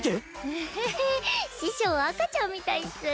あはは師匠赤ちゃんみたいっス。